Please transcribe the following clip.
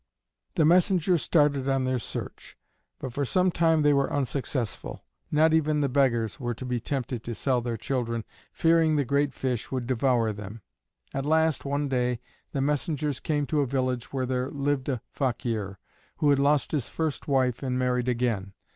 The messengers started on their search, but for some time they were unsuccessful; not even the beggars were to be tempted to sell their children, fearing the great fish would devour them. At last one day the messengers came to a village where there lived a Fakeer, who had lost his first wife and married again.